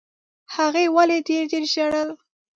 هغې ولي ډېر ډېر ژړل؟